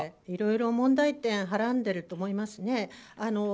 いろいろ問題点はらんでいると思いますね。